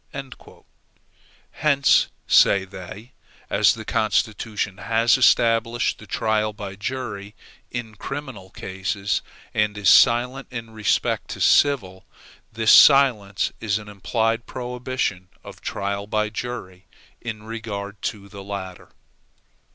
Hence, say they, as the Constitution has established the trial by jury in criminal cases, and is silent in respect to civil, this silence is an implied prohibition of trial by jury in regard to the latter.